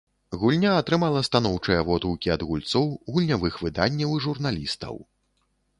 Гульня атрымала станоўчыя водгукі ад гульцоў, гульнявых выданняў і журналістаў.